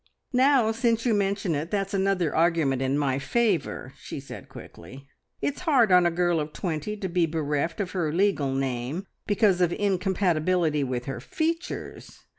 "Now, since you mention it, that's another argument in my favour," she said quickly. "It's hard on a girl of twenty to be bereft of her legal name because of incompatibility with her features.